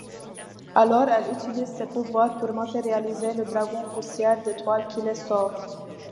Alors, elle utilise ses pouvoirs pour matérialiser le Dragon Poussière d'Étoile qui les sauve.